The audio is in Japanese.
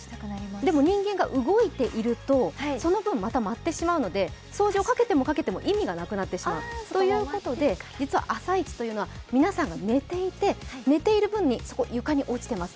でも、人間が動いていると、その分、また舞ってしまうので掃除をかけてもかけても、意味がなくなってしまうということで実は朝イチというのは皆さんが寝ていて、黄砂が床に落ちています。